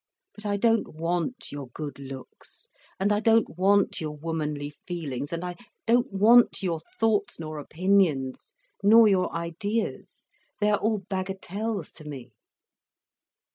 But I don't want your good looks, and I don't want your womanly feelings, and I don't want your thoughts nor opinions nor your ideas—they are all bagatelles to me."